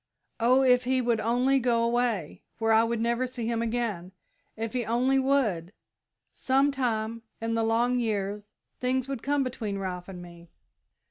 Oh, if he would only go away, where I would never see him again if he only would sometime, in the long years, things would come right between Ralph and me!"